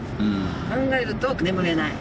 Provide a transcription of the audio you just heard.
考えると眠れない。